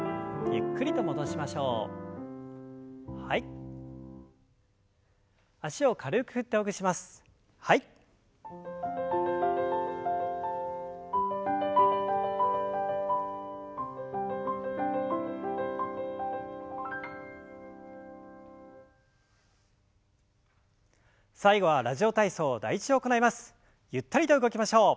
ゆったりと動きましょう。